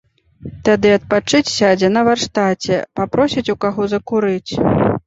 Тады адпачыць сядзе на варштаце, папросіць у каго закурыць.